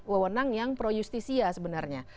wewenang yang pro justisia sebenarnya